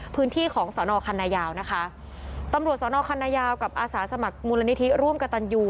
พื้นที่ของสรรคัณญาวนะคะตำรวจสรรคัณญาวกับอาสาสมัครมูลนิธิร่วมกับตันยู